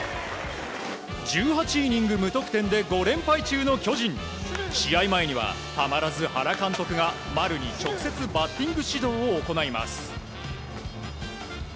１８イニング無得点で５連敗中の巨人試合前には、たまらず原監督が丸に直接バッティング指導を行います。